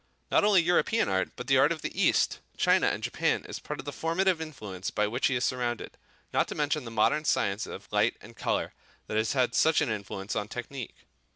Not only European art, but the art of the East, China and Japan, is part of the formative influence by which he is surrounded; not to mention the modern science of light and colour that has had such an influence on technique.